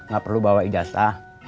gak perlu bawa idata